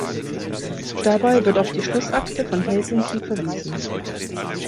Dabei wird auf die Schlussakte von Helsinki verwiesen.